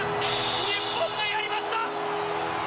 日本がやりました。